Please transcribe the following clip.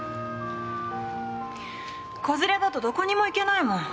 子連れだとどこにも行けないもん。